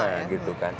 sama gitu kan